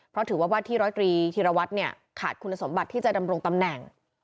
เพราะถือว่าว่าที่ร้อยตรีธิรวัตรเนี่ยขาดคุณสมบัติที่จะดำรงตำแหน่ง